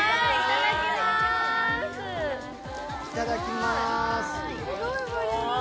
いただきまーす。